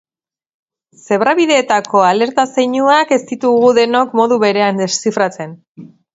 Zebrabideetako alerta zeinuak ez ditugu denok modu berean deszifratzen.